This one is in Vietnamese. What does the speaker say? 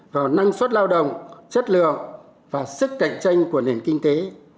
vào năng suất lao động chất lượng và sức cạnh tranh của nền kinh tế